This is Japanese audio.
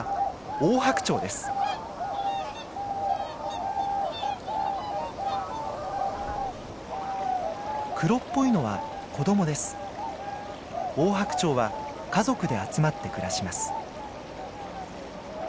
オオハクチョウは家族で集まって暮らします。